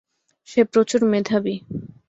সে প্রচুর মেধাবী।